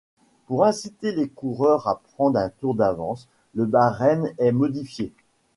Pour inciter les coureurs à prendre un tour d'avance, le barème est modifié.